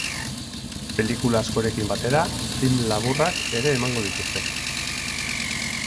Pelikula askorekin batera, film laburrak ere emango dituzte.